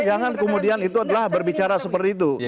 jangan kemudian berbicara seperti itu